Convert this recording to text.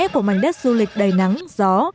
của mảnh đất du lịch đầy nắng gió